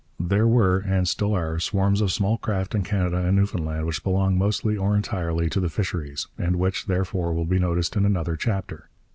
There were, and still are, swarms of small craft in Canada and Newfoundland which belong mostly or entirely to the fisheries, and which, therefore, will be noticed in another chapter.